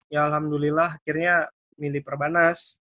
ya alhamdulillah akhirnya milih perbanas